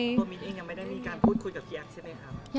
มิ้นเองยังไม่ได้มีการพูดคุยกับพี่แอฟใช่ไหมครับ